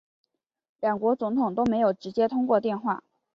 两国总统都没有直接通过电话